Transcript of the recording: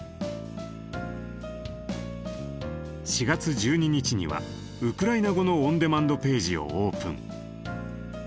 ４月１２日にはウクライナ語のオンデマンドページをオープン。